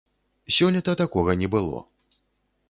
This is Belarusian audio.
Сёлета такога не было.